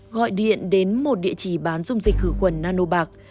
gọi điện đến một địa chỉ bán dung dịch khử khuẩn nano bạc